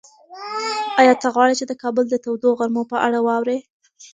ایا ته غواړې چې د کابل د تودو غرمو په اړه واورې؟